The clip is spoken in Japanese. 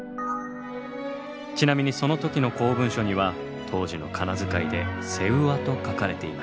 ちなみにその時の公文書には当時の仮名遣いで「セウワ」と書かれていました。